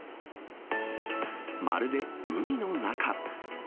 まるで海の中。